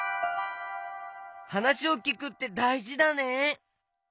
はなしをきくってだいじだね。